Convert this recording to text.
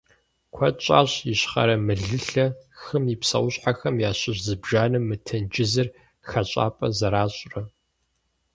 Куэд щӀащ Ищхъэрэ Мылылъэ хым и псэущхьэхэм ящыщ зыбжанэм мы тенджызыр хэщӀапӀэ зэращӀрэ.